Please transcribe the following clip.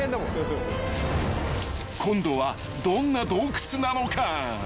［今度はどんな洞窟なのか］